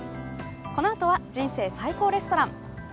このあとは「人生最高レストラン」。